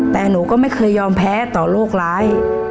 แต่หนูก็ไม่เคยยอมแพ้ต่อโรคร้าย